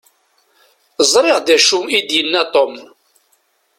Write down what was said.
Ẓriɣ d acu i d-yenna Tom.